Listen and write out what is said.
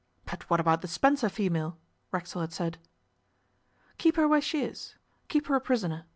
'But what about the Spencer female?' Racksole had said. 'Keep her where she is. Keep her a prisoner.